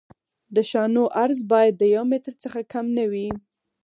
د شانو عرض باید د یو متر څخه کم نه وي